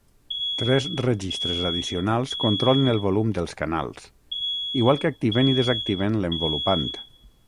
Tres registres addicionals controlen el volum dels canals, igual que activen i desactiven l'envolupant.